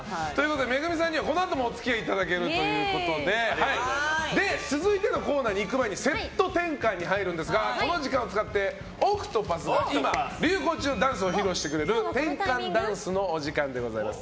ＭＥＧＵＭＩさんにはこのあともお付き合いいただけるということで続いてのコーナーに行く前にセット転換に入るんですがこの時間を使ってＯＣＴＰＡＴＨが今、流行中のダンスを披露してくれる転換ダンスのお時間です。